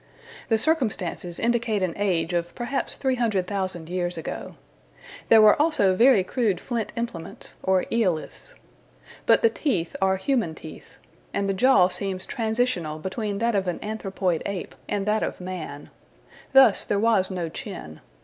The circumstances indicate an age of perhaps 300,000 years ago. There were also very crude flint implements (or eoliths). But the teeth are human teeth, and the jaw seems transitional between that of an anthropoid ape and that of man. Thus there was no chin.